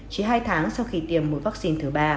chỉ hai tháng sau khi tiêm một vaccine thứ ba